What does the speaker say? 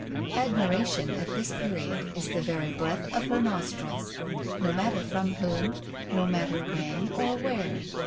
Admiration, at this period, is the very breath of her nostrils. No matter from whom, no matter when or where.